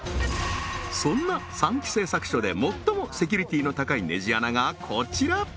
そんな三喜製作所で最もセキュリティーの高いネジ穴がこちら！